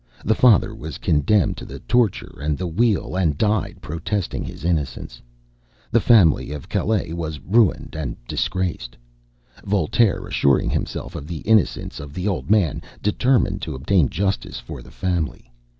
The father was condemned to the torture and the wheel, and died protesting his innocence. The family of Calas was ruined and disgraced. Voltaire, assuring himself of the innocence of the old man, determined to obtain justice for the family.